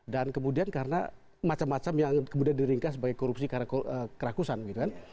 dan kemudian karena macam macam yang kemudian diringkas sebagai korupsi karena keragusan